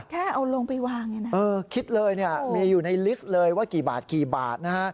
แค่เอาลงไปวางคิดเลยมีอยู่ในลิสต์เลยว่ากี่บาท